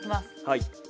はい。